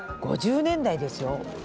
５０年代ですよ。